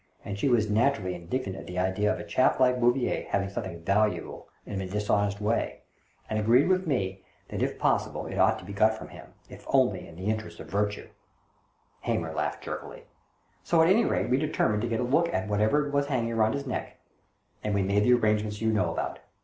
and she was naturally indignant at the idea of a chap like Bouvier having something valuable in a dishonest way, and agreed with me that if possible it ought to be got from him, if only in the interests of virtue." Hamer laughed jerkily. "So at any rate we determined to get a look at whatever it was hanging round his neck, and we made the arrangements you know about.